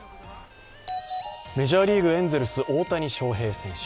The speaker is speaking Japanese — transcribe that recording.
メジャーリーグ、エンゼルス・大谷翔平選手。